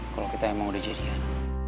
kalau kita emang udah jadian